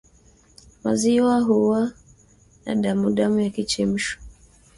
Maziwa huwa na damudamu yakichemshwa